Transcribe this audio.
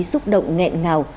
xúc động nghẹn ngào